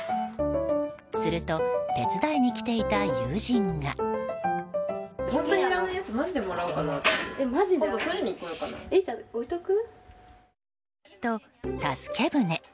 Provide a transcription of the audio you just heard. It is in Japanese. すると手伝いに来ていた友人が。と、助け舟。